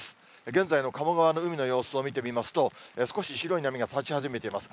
現在の鴨川の海の様子を見てみますと、少し白い波が立ち始めています。